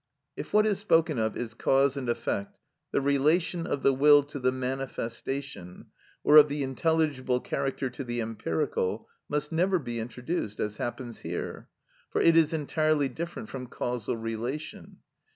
If what is spoken of is cause and effect, the relation of the will to the manifestation (or of the intelligible character to the empirical) must never be introduced, as happens here: for it is entirely different from causal relation.